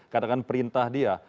katakan perintah dia